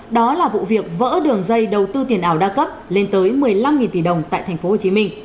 đó là vụ việc vỡ đường dây đầu tư tiền ảo đa cấp lên tới một mươi năm tỷ đồng tại tp hcm